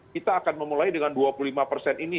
kita akan memulai dengan dua puluh lima persen ini